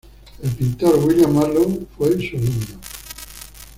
El pintor William Marlow fue su alumno.